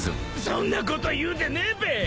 そんなこと言うでねえべ！